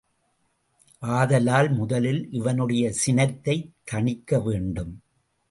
ஆதலால் முதலில் இவனுடைய சினத்தைத் தணிக்க வேண்டும்.